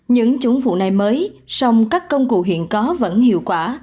những chống phụ này mới song các công cụ hiện có vẫn hiệu quả